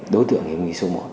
đối tượng hiểm nghị số một